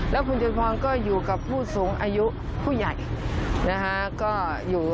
แล้วคุณจุมพรก็อยู่กับผู้สูงอายุผู้ใหญ่นะคะ